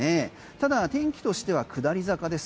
ただ、天気としては下り坂です。